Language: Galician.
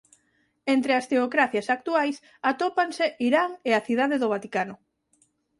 Entre as teocracias actuais atópanse Irán e a Cidade do Vaticano.